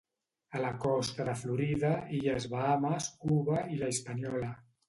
A la costa de Florida, illes Bahames, Cuba i la Hispaniola.